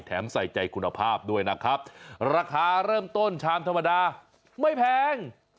ใส่ใจคุณภาพด้วยนะครับราคาเริ่มต้นชามธรรมดาไม่แพง